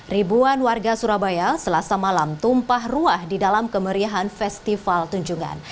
ribuan warga surabaya selasa malam tumpah ruah di dalam kemeriahan festival tunjungan